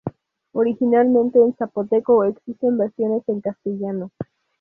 Originalmente en zapoteco, existen versiones en castellano.